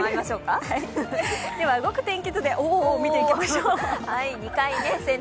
動く天気図で見ていきましょう。